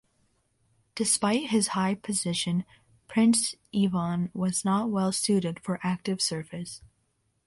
Despite his high position, Prince Ivan was not well suited for active service.